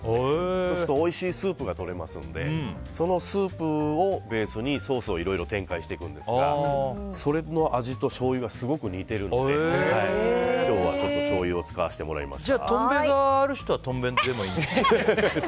そうするとおいしいスープが取れますのでそのスープをベースにソースをいろいろ展開していくんですがそれの味としょうゆがすごく似ているので今日はちょっとしょうゆを使わせてもらいました。